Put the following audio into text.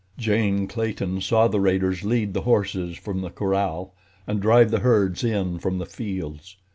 Jane Clayton saw the raiders lead the horses from the corral, and drive the herds in from the fields.